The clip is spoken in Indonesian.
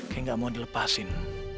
kayak gak mau dilepasin